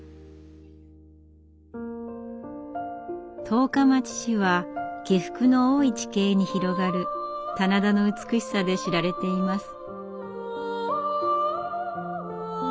十日町市は起伏の多い地形に広がる棚田の美しさで知られています。